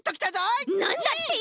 なんだって！